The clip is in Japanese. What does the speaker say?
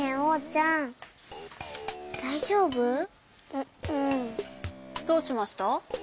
ううん。どうしました？